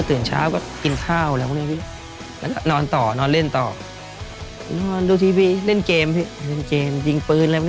ตื่นเช้าก็กินข้าวแล้วนอนเล่นต่อดูทีวีเล่นเกมยิงปืนไปเรื่อย